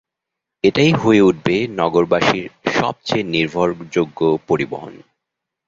এটাই হয়ে উঠবে নগরবাসীর সবচেয়ে নির্ভরযোগ্য পরিবহন।